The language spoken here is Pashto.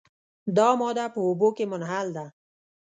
دا ماده په اوبو کې منحل ده.